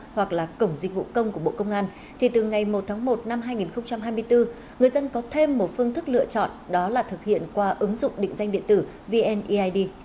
hoặc là cổng dịch vụ công của bộ công an thì từ ngày một tháng một năm hai nghìn hai mươi bốn người dân có thêm một phương thức lựa chọn đó là thực hiện qua ứng dụng định danh điện tử vneid